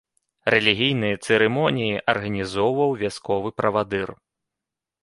Рэлігійныя цырымоніі арганізоўваў вясковы правадыр.